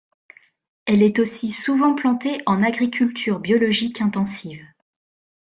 Elle est aussi souvent plantée en agriculture biologique intensive.